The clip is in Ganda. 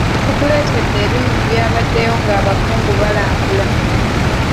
Tukuletedde ebimu ku byabaddeyo nga abakungu balambula.